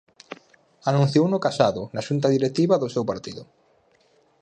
Anunciouno Casado na Xunta Directiva do seu partido.